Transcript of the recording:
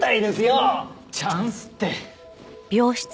チャンスって。